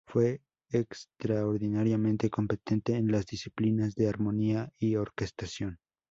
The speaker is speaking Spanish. Fue extraordinariamente competente en las disciplinas de armonía y orquestación.